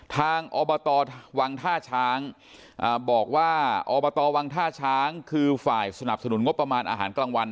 ทางอบตวังท่าช้างบอกว่าอบตวังท่าช้างคือฝ่ายสนับสนุนงบประมาณอาหารกลางวัน